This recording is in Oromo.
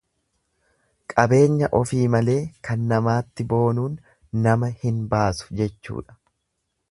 Qabeenya ofii malee kan namaatti boonuun nama hin baasu jechuudha.